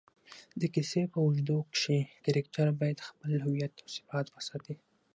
د کیسې په اوږدو کښي کرکټرباید خپل هویت اوصفات وساتي.